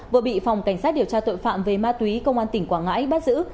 vừa bị phòng cảnh sát điều tra tội phạm về ma túy công an tỉnh quảng ngãi bắt giữ